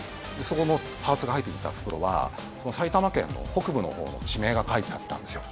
そこのパーツが入っていた袋は埼玉県の北部の方の地名が書いてあったんですよ。